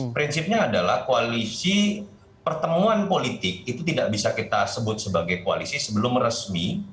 prinsipnya adalah koalisi pertemuan politik itu tidak bisa kita sebut sebagai koalisi sebelum resmi